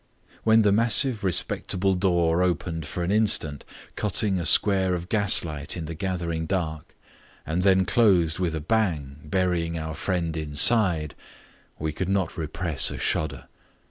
When the massive respectable door opened for an instant, cutting a square of gaslight in the gathering dark, and then closed with a bang, burying our friend inside, we could not repress a shudder.